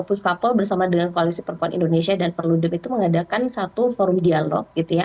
puskapol bersama dengan koalisi perempuan indonesia dan perludem itu mengadakan satu forum dialog gitu ya